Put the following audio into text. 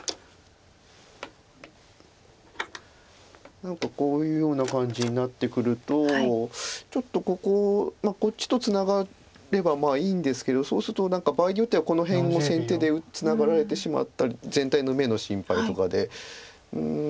何かこういうような感じになってくるとちょっとこここっちとツナがればいいんですけどそうすると何か場合によってはこの辺を先手でツナがられてしまったり全体の眼の心配とかでなったりとか。